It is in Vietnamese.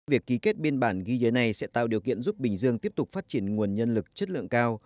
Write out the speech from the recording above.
việc ký kết biên bản ghi nhớ này sẽ tạo điều kiện giúp bình dương tiếp tục phát triển nguồn nhân lực chất lượng cao